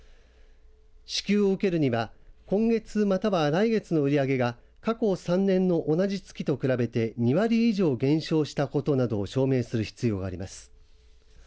支給を受けるには今月または来月の売り上げが過去３年の同じ月と比べて２割以上減少したことなどを証明する必要があります。